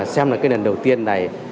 xem là cái lần đầu tiên này